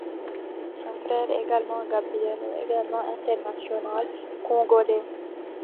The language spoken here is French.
Son frère, également Gabriel est également international congolais.